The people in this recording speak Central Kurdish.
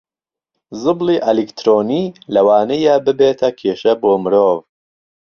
زبڵی ئەلیکترۆنی لەوانەیە ببێتە کێشە بۆ مرۆڤ